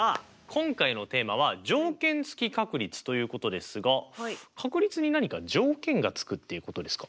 今回のテーマは条件付き確率ということですが確率に何か条件が付くっていうことですか？